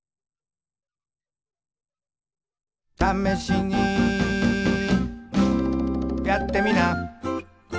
「ためしにやってみな」